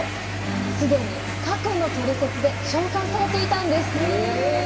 既に過去の「トリセツ」で紹介されていたんです。